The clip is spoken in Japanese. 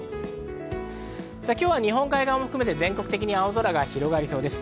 今日は日本海側を含めて全国的に青空が広がりそうです。